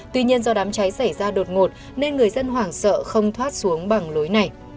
tuy nhiên do đám cháy xảy ra đột ngột nên người dân hoảng sợ không thoát xuống bằng lối này